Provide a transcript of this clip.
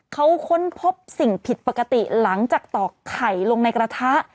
เขาค้นพบสิ่งผิดปกติหลังจากตอกไข่ลงในกระทะ